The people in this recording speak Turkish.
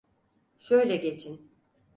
Şöyle geçin.